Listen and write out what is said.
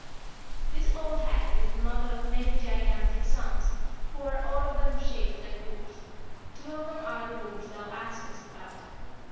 This old hag is the mother of many gigantic sons, who are all of them shaped like wolves, two of whom are the wolves thou askest about.